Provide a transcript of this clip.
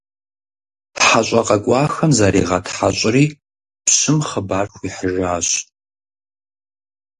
ХьэщӀэ къэкӀуахэм заригъэтхьэщӀри пщым хъыбар хуихьыжащ.